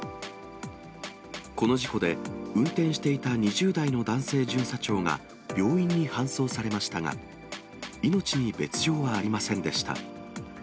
この事故で、運転していた２０代の男性巡査長が病院に搬送されましたが、命に別状はありませんでした。